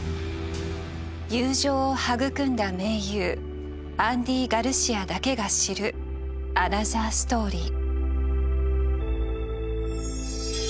友情を育んだ名優アンディ・ガルシアだけが知るアナザーストーリー。